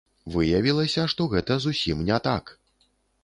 Выявілася, што гэта зусім не так.